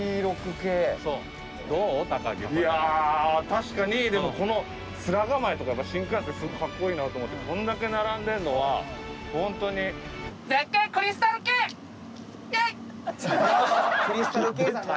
確かにでもこの面構えとかが新幹線すごいかっこいいなと思ってこんだけ並んでるのはホントにクリスタルケイさんが。